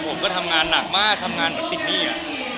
ผมก็ทำงานหนักมากทำงานแบบติดหนี้